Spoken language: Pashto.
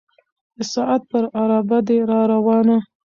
د ساعت پر عرابه ده را روانه